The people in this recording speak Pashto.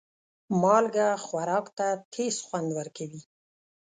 مالګه خوراک ته تیز خوند ورکوي.